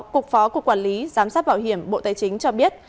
cục phó cục quản lý giám sát bảo hiểm bộ tài chính cho biết